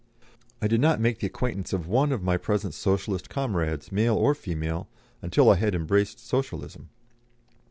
I did not make the acquaintance of one of my present Socialist comrades, male or female, until I had embraced Socialism."